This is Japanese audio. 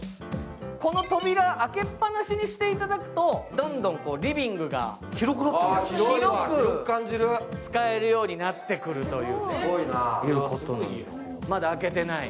この扉、開けっぱなしにしていただくとリビングが広く使えるようになってくるという。